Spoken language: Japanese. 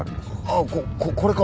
ああこれか。